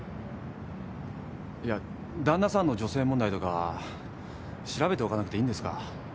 いや旦那さんの女性問題とか調べておかなくていいんですか？